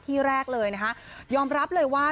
ที่แรกเลยนะคะยอมรับเลยว่า